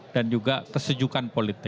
dan juga kesejukan politik